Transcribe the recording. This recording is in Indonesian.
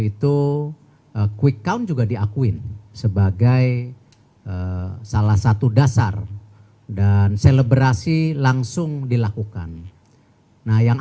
itu quickencown juga diakui sebagai salah satu dasar dan selebrasi langsung dilakukan nah yang